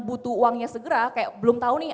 butuh uangnya segera kayak belum tahu nih